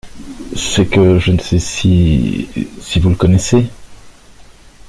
C'est que je ne sais si … si vous le connaissez.